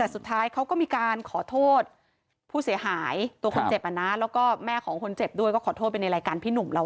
แต่สุดท้ายเขาก็มีการขอโทษผู้เสียหายตัวคนเจ็บแล้วก็แม่ของคนเจ็บด้วยก็ขอโทษไปในรายการพี่หนุ่มเรา